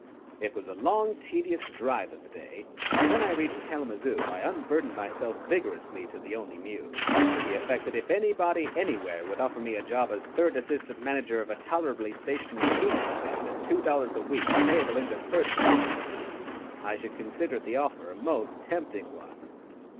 It was a long, tedious drive of a day, and when I reached Kalamazoo I unburdened myself vigorously to the Only Muse to the effect that if anybody, anywhere, would offer me a job as third assistant manager of a tolerably stationary peanut stand at two dollars a week, payable in deferred promises, I should consider the offer a most tempting one.